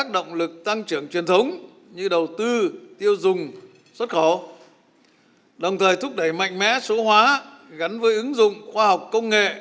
đồng thời thúc đẩy mạnh mẽ số hóa gắn với ứng dụng khoa học công nghệ